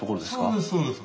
そうですそうです。